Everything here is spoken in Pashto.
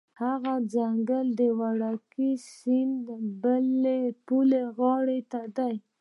هغه ځنګل د وړوکي سیند هغې بلې غاړې ته دی